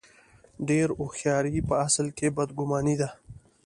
ډېره هوښیاري په اصل کې بد ګماني ده.